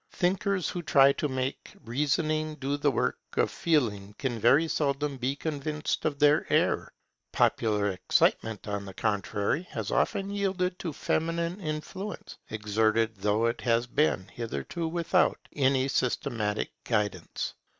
Thinkers who try to make reasoning do the work of feeling can very seldom be convinced of their error. Popular excitement, on the contrary, has often yielded to feminine influence, exerted though it has been hitherto without any systematic guidance.